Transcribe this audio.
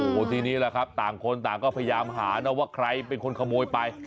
โอ้โหทีนี้แหละครับต่างคนต่างก็พยายามหานะว่าใครเป็นคนขโมยไป